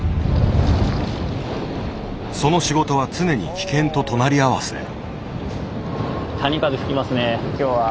その仕事は常に危険と隣り合わせ。